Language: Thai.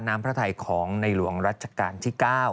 น้ำพระไทยของในหลวงรัชกาลที่๙